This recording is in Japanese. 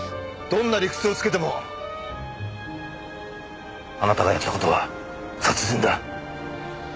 どんな理屈をつけてもあなたがやった事は殺人だ。